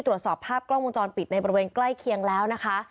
ตรวจสอบภาพกล้องวงจรปิดในบริเวณใกล้เคียงแล้วนะคะ